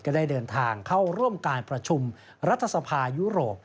ได้เดินทางเข้าร่วมการประชุมรัฐสภายุโรป